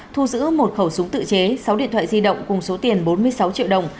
thu giữ một khẩu súng tự chế sáu điện thoại di động cùng số tiền bốn mươi sáu triệu đồng